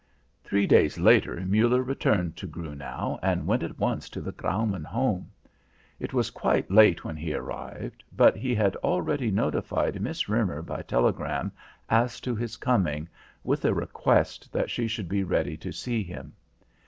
Three days later Muller returned to Grunau and went at once to the Graumann home. It was quite late when he arrived, but he had already notified Miss Roemer by telegram as to his coming, with a request that she should be ready to see him.